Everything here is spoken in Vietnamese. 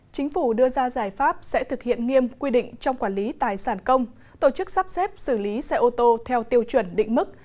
chính phủ đưa ra giải pháp sẽ thực hiện nghiêm quy định trong quản lý tài sản công tổ chức sắp xếp xử lý xe ô tô theo tiêu chuẩn định mức